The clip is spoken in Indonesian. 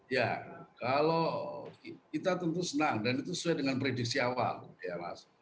ya kalau kita tentu senang dan itu sesuai dengan prediksi awal ya mas